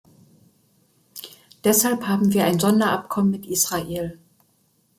Deshalb haben wir ein Sonderabkommen mit Israel.